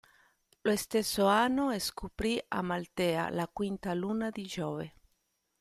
Lo stesso anno scoprì Amaltea, la quinta luna di Giove.